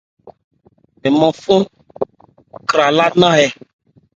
Mɛn mân fɔ́n chralá nnán.